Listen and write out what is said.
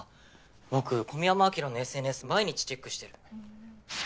僕小宮山アキラのＳＮＳ毎日チェックしてる。